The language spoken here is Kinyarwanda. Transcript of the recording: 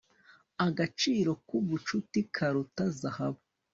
Agaciro kubucuti karuta zahabu